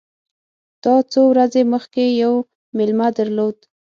تا څو ورځي مخکي یو مېلمه درلود !